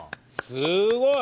すごい！